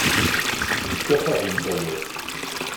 Yekka-t abendayer.